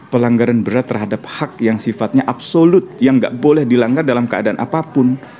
pelanggaran berat terhadap hak yang sifatnya absolut yang nggak boleh dilanggar dalam keadaan apapun